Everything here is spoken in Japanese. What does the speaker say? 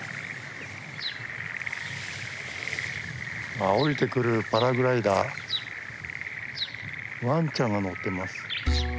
ああ降りてくるパラグライダーワンちゃんが乗ってます。